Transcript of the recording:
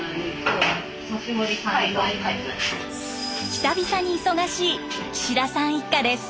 久々に忙しい岸田さん一家です。